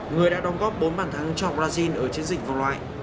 người đã đóng góp bốn bàn thắng cho brazil ở chiến dịch vòng loại